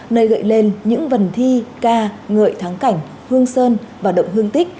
nơi gợi lên những vần thi ca ngợi tháng cảnh hương sơn và động hương tích